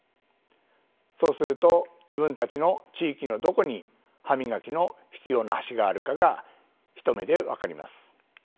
そうすると自分たちの地域のどこに歯磨きの必要な橋があるかが一目で分かります。